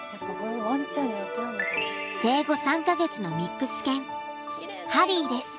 生後３か月のミックス犬ハリーです。